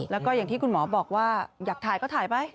แล้วก็อย่างที่คุณหมอบอกว่าอยากถ่ายก็ถ่ายไป